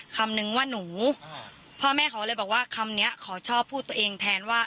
คำนึงว่าหนูพ่อแม่เขาเลยบอกว่าคำนี้ขอชอบพูดตัวเองแทนว่า